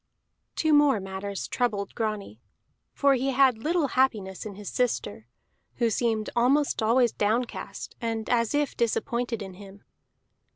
Two more matters troubled Grani. For he had little happiness in his sister, who seemed almost always downcast, and as if disappointed in him.